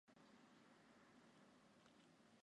贝卓罗瓦的传统代表色为红色。